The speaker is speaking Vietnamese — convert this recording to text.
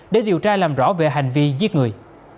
để điều tra làm rõ về hành vi giết người